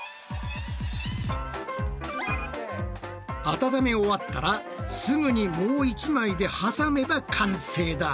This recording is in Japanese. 温め終わったらすぐにもう一枚で挟めば完成だ！